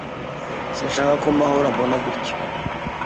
Sinshaka ko Mahoro ambona gutya.